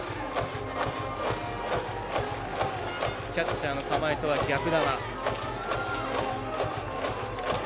キャッチャーの構えとは逆球。